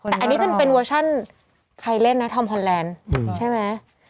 แต่อันนี้เป็นเวอร์ชั่นใครเล่นนะทำฮอนแลนด์ใช่ไหม